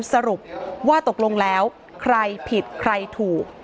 สรุปว่าตกลงแล้วใครผิดใครถูก